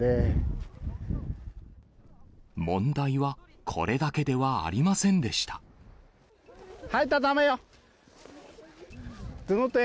問題はこれだけではありませ入ったらだめよ。